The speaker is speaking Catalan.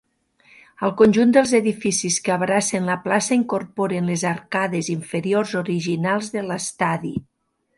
El conjunt dels edificis que abracen la plaça incorporen les arcades inferiors originals de l'Estadi.